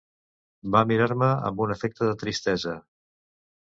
Va mirar-me amb un efecte de tristesa.